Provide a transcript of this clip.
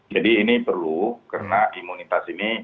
jadi ini perlu karena imunitas ini